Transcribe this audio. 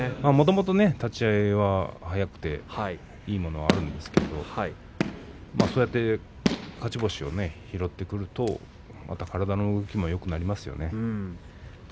もっともっと立ち合いは速くていいものがあるんですがそうやって勝ち星を拾ってくるとまた体の動きもよくなりますね。